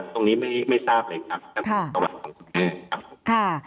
ตรงนี้ไม่ทราบเลยครับ